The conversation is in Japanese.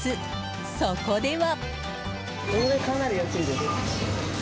そこでは。